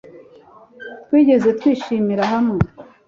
Twigeze twishimira hamwe